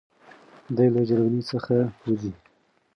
دی له جرمني څخه وځي.